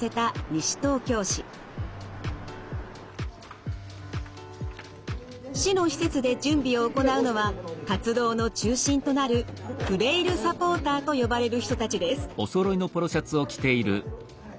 市の施設で準備を行うのは活動の中心となるフレイルサポーターと呼ばれる人たちです。